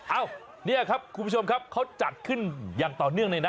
เอ้านี่ครับคุณผู้ชมครับเขาจัดขึ้นอย่างต่อเนื่องเลยนะ